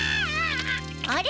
あれ？